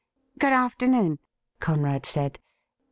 'Good afternoon,' Conrad said.